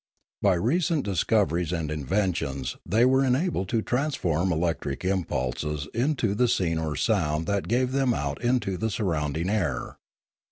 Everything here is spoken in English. By recent discoveries and inventions they were enabled to transform electric impulses into the scene or sound that gave them out into the surrounding air.